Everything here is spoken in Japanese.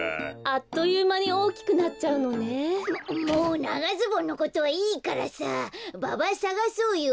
あっというまにおおきくなっちゃうのね。ももうながズボンのことはいいからさババさがそうよ！